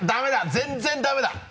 全然ダメだ！